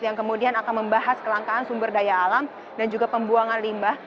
yang kemudian akan membahas kelangkaan sumber daya alam dan juga pembuangan limbah